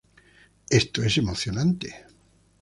Esto es emocionante!